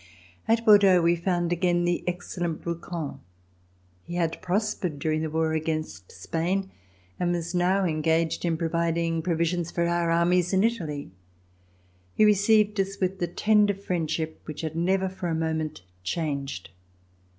At Bordeaux we found again the excellent Brou quens. He had prospered during the war against Spain and was now engaged in providing provisions for our armies in Italy. He received us with the tender friendship which had never for a moment changed.